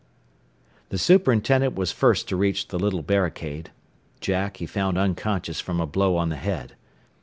The superintendent was first to reach the little barricade. Jack, he found unconscious from a blow on the head.